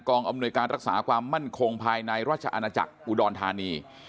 อำนวยการรักษาความมั่นคงภายในราชอาณาจักรอุดรธานี